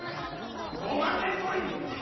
・５まんねんコイン！